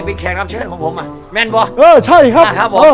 เป็นแขกรับเชิญของผมอ่ะแมนบอเออใช่ครับอ่าครับผมเออ